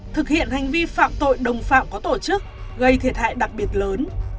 thực hiện hành vi phạm tội đồng phạm có tổ chức gây thiệt hại đặc biệt lớn